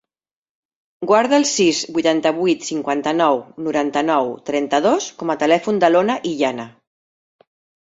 Guarda el sis, vuitanta-vuit, cinquanta-nou, noranta-nou, trenta-dos com a telèfon de l'Ona Illana.